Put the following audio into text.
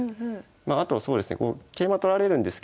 あとはそうですね桂馬取られるんですけど。